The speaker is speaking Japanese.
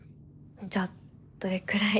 じゃあどれくらい？